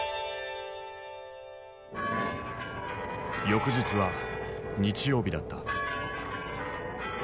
翌日は日曜日だった。